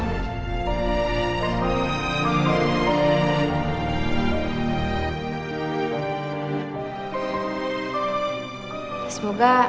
ini adalah hadiah yang aku inginkan